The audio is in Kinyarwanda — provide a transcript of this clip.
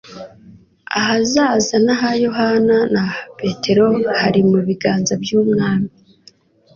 Ahazaza ha Yohana n'aha Petero hari mu biganza by'Umwami.